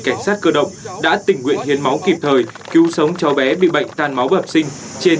cảnh sát cơ động đã tình nguyện hiến máu kịp thời cứu sống cho bé bị bệnh tan máu bẩm sinh trên